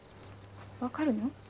分かるの？